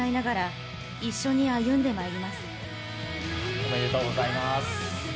おめでとうございます。